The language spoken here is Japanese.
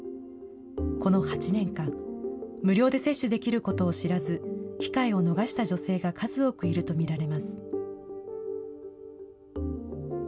この８年間、無料で接種できることを知らず、機会を逃した女性が数多くいると見られます。